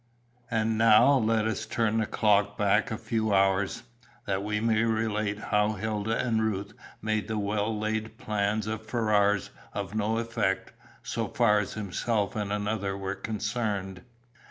And now let us turn the clock back a few hours, that we may relate how Hilda and Ruth made the well laid plans of Ferrars of no effect, so far as himself and another were concerned.